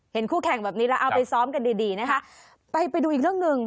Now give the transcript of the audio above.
คู่แข่งแบบนี้แล้วเอาไปซ้อมกันดีดีนะคะไปไปดูอีกเรื่องหนึ่ง